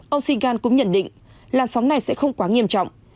ông saigon cũng nhận định lạt sóng này sẽ không quá nghiêm trọng